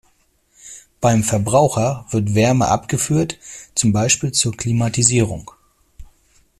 Beim Verbraucher wird Wärme abgeführt, zum Beispiel zur Klimatisierung.